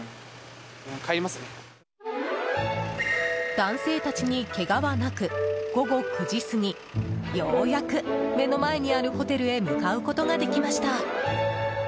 男性たちにけがはなく午後９時過ぎようやく目の前にあるホテルへ向かうことができました。